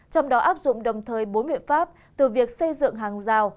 trong đó áp dụng đồng thời bốn miệng pháp từ việc xây dựng hàng rào